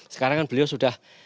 sekarang kan beliau sudah